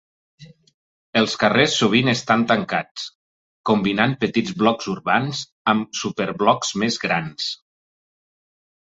Els carrers sovint estan tancats, combinant petits blocs urbans amb super-blocs més grans.